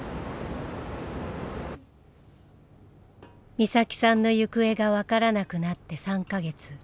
美咲さんの行方が分からなくなって３か月。